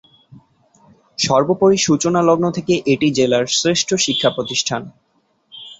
সর্বোপরি সূচনা লগ্ন থেকেই এটি জেলার শ্রেষ্ঠ শিক্ষা প্রতিষ্ঠান।